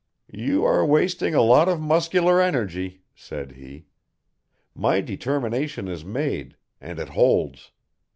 "You are wasting a lot of muscular energy," said he. "My determination is made, and it holds.